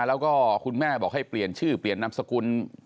แล้วก็คุณแม่บอกให้เปลี่ยนชื่อเปลี่ยนนามสกุล